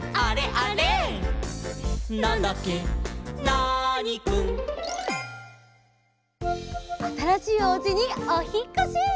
ナーニくん」あたらしいおうちにおひっこし！